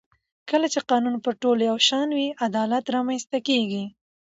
کله چې قانون پر ټولو یو شان وي عدالت رامنځته کېږي